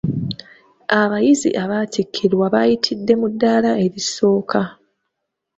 Abayizi abattikkirwa bayitidde mu ddaala erisooka.